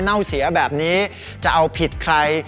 เน่าเสียแบบนี้จะเอาผิดใคร